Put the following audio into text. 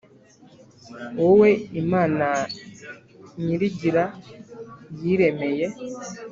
wowe imana nyirigira yiremeye